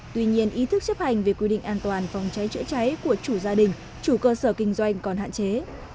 tuy nhiên ý thức chấp hành về quy định an toàn phòng cháy chữa cháy của chủ gia đình chủ cơ sở kinh doanh còn hạn chế